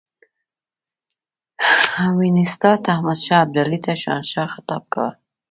وینسیټارټ احمدشاه ابدالي ته شهنشاه خطاب کاوه.